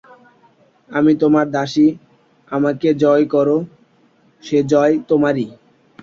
আমি তোমার দাসী, আমাকে জয়ী করো, সে জয় তোমারই।